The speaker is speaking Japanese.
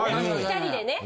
２人でね。